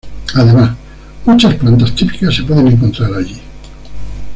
Además, muchas plantas típicas se pueden encontrar allí.